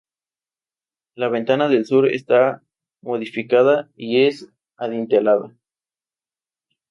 La ventana del sur está modificada y es adintelada.